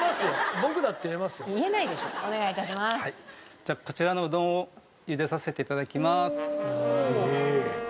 じゃあこちらのうどんを茹でさせて頂きます。